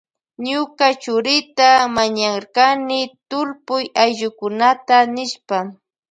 Ñuka churita mañarkani tullpuy ayllukunata nishpa.